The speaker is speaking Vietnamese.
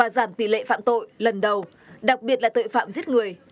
giảm tỷ lệ phạm tội lần đầu đặc biệt là tội phạm giết người